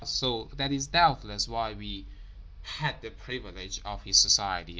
So that is doubtless why we had the privilege of his society.